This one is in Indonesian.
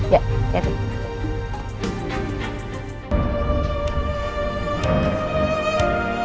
ya ya pak